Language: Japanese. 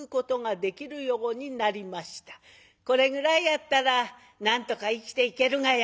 「これぐらいやったらなんとか生きていけるがや。